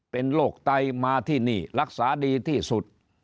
เป็นโรคไตมาที่นี่รักษาดีที่สุด